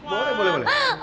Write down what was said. boleh boleh boleh